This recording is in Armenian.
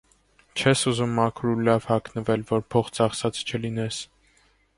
Չես ուզում մաքուր ու լավ հագնվել, որ փող ծախսած չլինես: